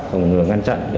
phòng ngừa ngăn chặn